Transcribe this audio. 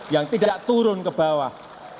yang tidak turun ke bawah